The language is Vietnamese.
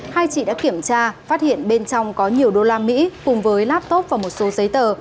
hai chị đã kiểm tra phát hiện bên trong có nhiều usd cùng với laptop và một số giấy tờ